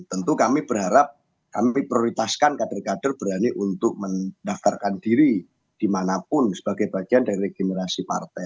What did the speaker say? tentu kami berharap kami prioritaskan kader kader berani untuk mendaftarkan diri dimanapun sebagai bagian dari regenerasi partai